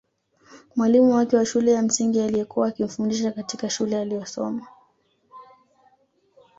Mwalimu wake wa shule ya msingi aliyekuwa akimfundisha katika shule aliyosoma